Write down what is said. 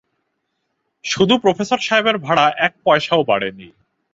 শুধু প্রফেসর সাহেবের ভাড়া এক পয়সাও বাড়ে নি।